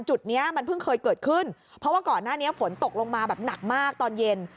จุดนี้มันเพิ่งเคยเกิดขึ้นเพราะว่าก่อนหน้านี้ฝนตกลงมาแบบหนักมากตอนเย็น